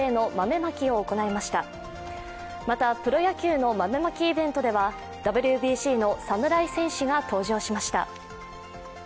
また、プロ野球の豆まきイベントではＷＢＣの侍戦士が登場しました。